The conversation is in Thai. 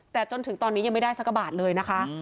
แต่จนถึงตอนนี้ยังไม่ได้สักบาทเลยนะคะ